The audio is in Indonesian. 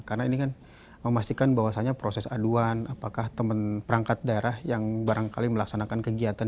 karena ini kan memastikan bahwasannya proses aduan apakah perangkat daerah yang barangkali melaksanakan kegiatan